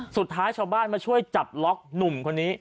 สุดท้ายชาวบ้านมาช่วยจับล็อกหนุ่มคนนี้